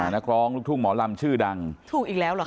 นักร้องลูกทุ่งหมอลำชื่อดังถูกอีกแล้วเหรอ